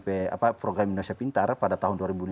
sebagai program indonesia pintar pada tahun dua ribu enam belas